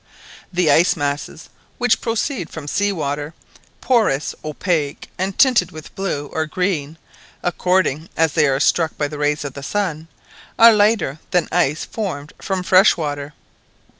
The ice masses which proceed from sea water, porous, opaque, and tinged with blue or green, according as they are struck by the rays of the sun, are lighter than ice formed from fresh water.